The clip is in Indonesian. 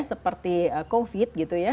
seperti covid gitu ya